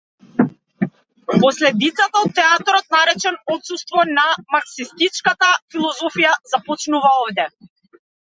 Последицата од театарот наречен отсуство на марксистичката филозофија, започнува овде.